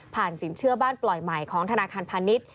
ผ่านสินเชื่อบ้านปล่อยใหม่ของธนาคารพันนิษฐ์